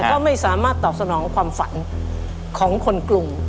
ก็ไม่สามารถตอบสนองความฝันของคนกรุง